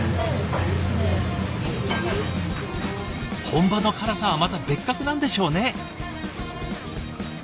本場の辛さはまた別格なんでしょうね。